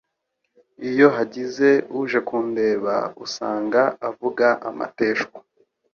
Iyo hagize uje kundeba usanga avuga amateshwa